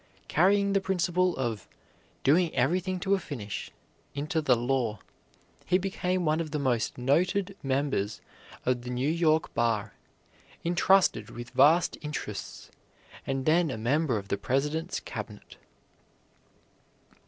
Carrying the principle of "doing everything to a finish" into the law, he became one of the most noted members of the New York bar, intrusted with vast interests, and then a member of the President's cabinet.